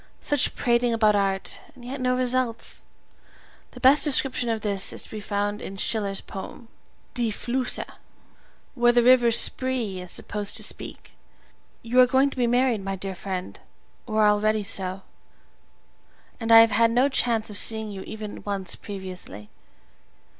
Such prating about art, and yet no results!!! The best description of this is to be found in Schiller's poem "Die Flüsse," where the river Spree is supposed to speak. You are going to be married, my dear friend, or are already so, and I have had no chance of seeing you even once previously.